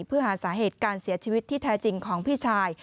เพื่อหาสาเหตุการเสียชีวิตที่แท้จริงของพี่ชาย